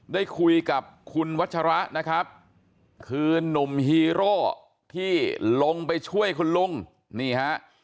ได้คุยกับคุณวัชระนะครับคือนุ่มฮีโร่ที่ลงไปช่วยคุณลุงนี่ฮะ